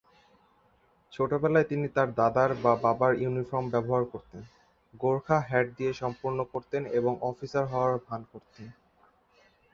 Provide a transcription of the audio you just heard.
ছোটবেলায় তিনি তার দাদার বা বাবার ইউনিফর্ম ব্যবহার করতেন, গোর্খা হ্যাট দিয়ে সম্পূর্ণ করতেন এবং অফিসার হওয়ার ভান করতেন।